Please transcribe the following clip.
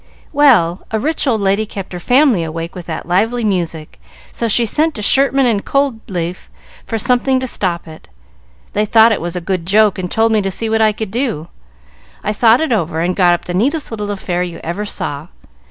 "Well, a rich old lady kept her family awake with that lively music, so she sent to Shirtman and Codleff for something to stop it. They thought it was a good joke, and told me to see what I could do. I thought it over, and got up the nicest little affair you ever saw.